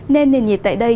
nên nền nhiệt tại đây